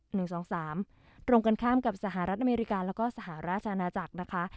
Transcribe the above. หนึ่งสองสามตรงกันข้ามกับสหรัฐอเมริกาแล้วก็สหราชอาณาจักรนะคะ